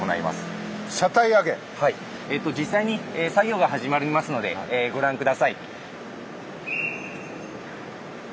実際に作業が始まりますのでご覧下さい。